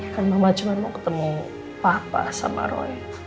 kan mama cuma mau ketemu papa sama roy